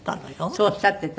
そうおっしゃってた。